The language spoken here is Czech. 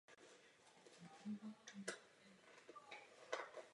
V bočním traktu s vchodem z ulice Politických vězňů sídlí ředitelství České pošty.